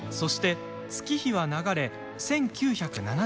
そして月日は流れ、１９７１年。